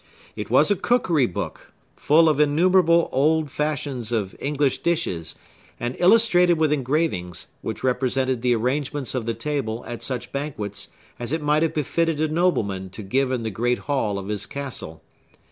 It was a cookery book, full of innumerable old fashions of English dishes, and illustrated with engravings, which represented the arrangements of the table at such banquets as it might have befitted a nobleman to give in the great hall of his castle.